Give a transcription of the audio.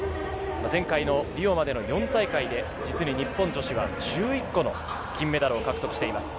前回のリオまでの４大会で実に日本女子は１１個の金メダルを獲得しています。